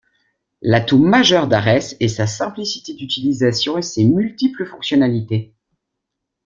L'atout majeur d'Ares est sa simplicité d'utilisation et ses multiples fonctionnalités.